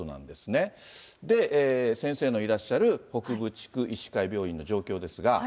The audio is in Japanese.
で、先生のいらっしゃる北部地区医師会病院の状況ですが。